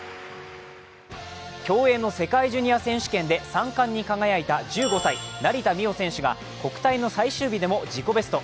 競泳の世界ジュニア選手権で三冠に輝いた１５歳・成田実生選手が国体の最終日でも自己ベスト。